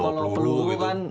tapi kalo peluru kan